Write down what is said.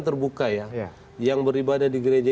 terbuka ya yang beribadah di gereja